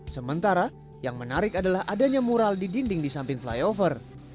sementara yang menarik adalah adanya mural di dinding di samping flyover